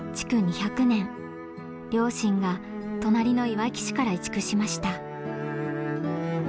両親が隣のいわき市から移築しました。